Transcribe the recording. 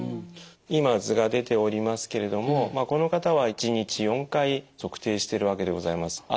今図が出ておりますけれどもこの方は１日４回測定しているわけでございます。